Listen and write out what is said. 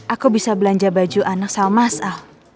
aku bisa belanja baju anak sama asal